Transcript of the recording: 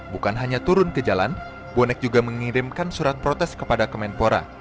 bukan hanya turun ke jalan bonek juga mengirimkan surat protes kepada kemenpora